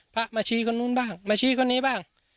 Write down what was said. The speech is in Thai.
พระมาชี้คนนู้นบ้างมาชี้คนนี้บ้าง